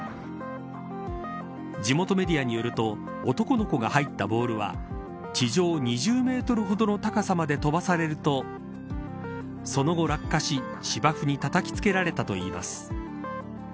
地元メディアによると男の子が入ったボールは地上２０メートルほどの高さまで飛ばされるとその後、落下し芝生に叩きつけられたといいます。